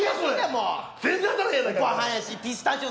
もう。